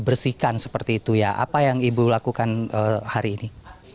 bersihkan seperti itu ya apa yang ibu lakukan hari ini